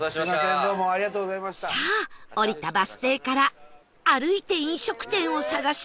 さあ降りたバス停から歩いて飲食店を探しますよ